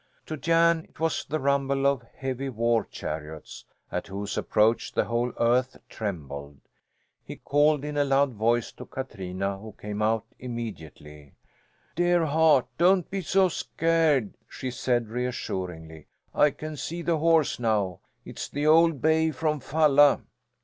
To Jan it was the rumble of heavy war chariots, at whose approach the whole earth trembled. He called in a loud voice to Katrina, who came out immediately. "Dear heart, don't be so scared!" she said reassuringly. "I can see the horse now. It's the old bay from Falla.